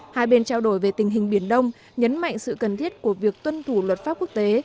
hai bên trao đổi về tình hình biển đông nhấn mạnh sự cần thiết của việc tuân thủ luật pháp quốc tế